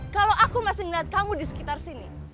kalau aku masih ngeliat kamu di sekitar sini